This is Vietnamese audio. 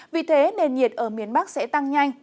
vì thế nền nhiệt ở miền bắc sẽ tăng nhanh